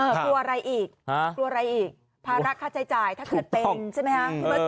กลัวอะไรอีกภาระค่าใช้จ่ายถ้าเกิดเป็นใช่ไหมฮะ